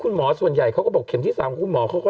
คุณหมอส่วนใหญ่เขาก็บอกเข็มที่สามคุณหมอเขาก็